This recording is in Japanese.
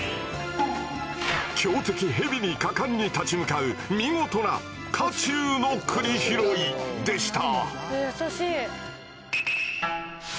強敵ヘビに果敢に立ち向かう見事な火中の栗拾いでした！